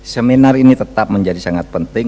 seminar ini tetap menjadi sangat penting